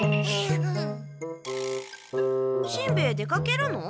しんべヱ出かけるの？